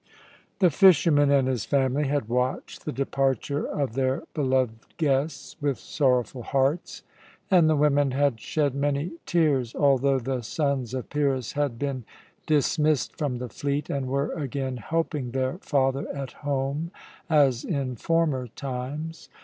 The fisherman and his family had watched the departure of their beloved guests with sorrowful hearts, and the women had shed many tears, although the sons of Pyrrhus had been dismissed from the fleet and were again helping their father at home, as in former times.